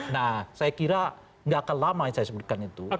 nah saya kira nggak akan lama yang saya sebutkan itu